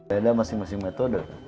ada masing masing metode